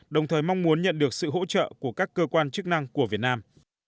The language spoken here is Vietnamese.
đồng thời mong muốn nhận được sự hỗ trợ của các cơ quan chức năng của việt nam